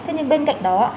thế nhưng bên cạnh đó